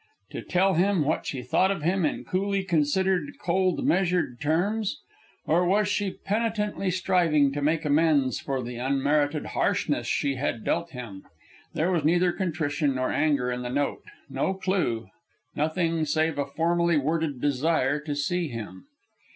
To tell him what she thought of him in coolly considered, cold measured terms? Or was she penitently striving to make amends for the unmerited harshness she had dealt him? There was neither contrition nor anger in the note, no clew, nothing save a formally worded desire to see him.